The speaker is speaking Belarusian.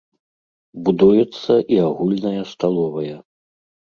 Будуецца і агульная сталовая.